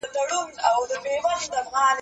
پښتو ادب کې خوشال خان پر ځان خبرې شروع کړل.